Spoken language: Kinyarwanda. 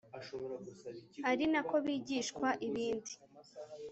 ari na ko bigishwa ibindi